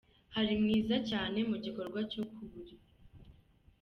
Hari mwiza cyane mu gikorwa cyo kuburiri.